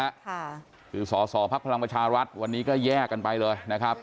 ค่ะคือสอสอภักดิ์พลังประชารัฐวันนี้ก็แยกกันไปเลยนะครับ